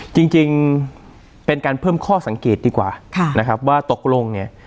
จริงเป็นการเพิ่มข้อสังเกตดีกว่านะครับว่าตกลงเนี่ย